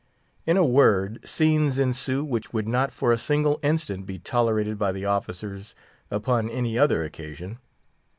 In a word, scenes ensue which would not for a single instant be tolerated by the officers upon any other occasion.